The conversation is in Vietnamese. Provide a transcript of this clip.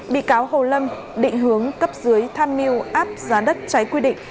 bị cáo hồ lâm định hướng cấp dưới tham mưu áp giá đất trái quy định